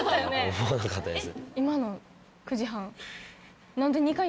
思わなかったです。